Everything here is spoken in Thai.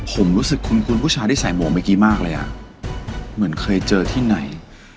ผมรู้สึกคุ้นผู้ชายที่ใส่หมวกเมื่อกี้มากเลยอ่ะเหมือนเคยเจอที่ไหน